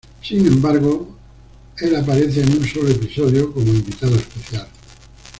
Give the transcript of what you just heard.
Sin embargo, el aparece en un solo episodio como invitado especial.